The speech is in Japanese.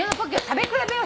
食べ比べ？